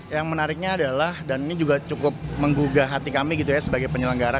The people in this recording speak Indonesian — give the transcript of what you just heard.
yang menariknya adalah dan ini juga cukup menggugah hati kami gitu ya sebagai penyelenggara